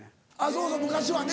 そうそう昔はね。